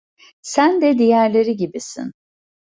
Sen de diğerleri gibisin.